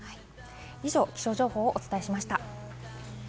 以上、気象情報をお伝えしました。